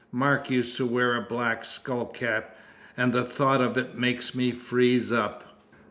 "Mark used to wear a black skull cap, and the thought of it makes me freeze up.